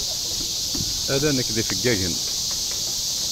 Ala nekk d yifeggagen.